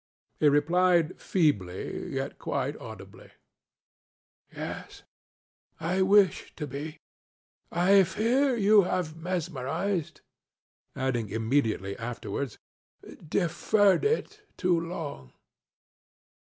He replied feebly, yet quite audibly, ŌĆ£Yes, I wish to be. I fear you have mesmerizedŌĆØŌĆöadding immediately afterwards: ŌĆ£I fear you have deferred it too long.